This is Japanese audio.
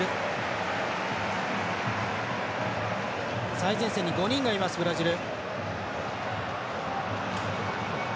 最前線に５人がいますブラジル。